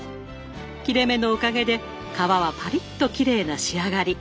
切れ目のおかげで皮はパリッときれいな仕上がり。